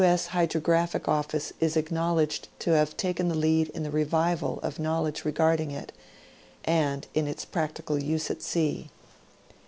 S. Hydrographic Office is acknowledged to have taken the lead in the revival of knowledge regarding it, and in its practical use at sea.